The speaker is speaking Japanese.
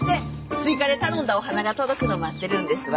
追加で頼んだお花が届くのを待ってるんですわ。